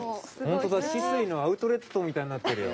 酒々井のアウトレットみたいになってるよ。